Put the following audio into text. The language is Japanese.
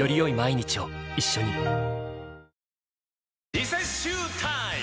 リセッシュータイム！